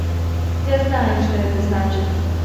Я знаю, что это значит.